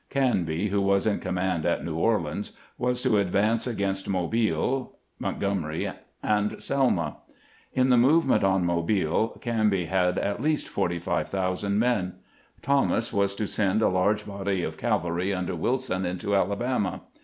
Canby, who was in command at New Orleans, was to advance against Mobile, Montgomery, and Selma. In the movement on Mobile, Canby had at least 45,000 men. Thomas was to send a large body of cavalry under WUson into Alabama.